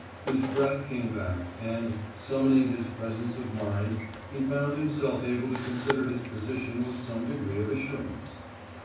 His breath came back, and, summoning his presence of mind, he found himself able to consider his position with some degree of assurance.